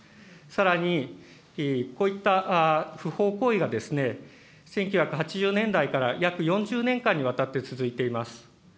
さらに、こういった不法行為が１９８４年代から約４０年間にわたって続いています。